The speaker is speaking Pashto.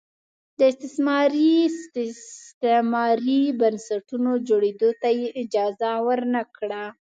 د استثماري استعماري بنسټونو جوړېدو ته یې اجازه ور نه کړه.